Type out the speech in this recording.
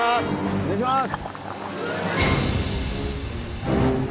お願いします。